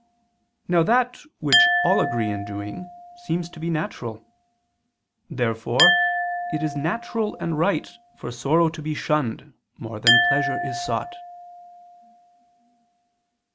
Now that which all agree in doing, seems to be natural. Therefore it is natural and right for sorrow to be shunned more than pleasure is sought.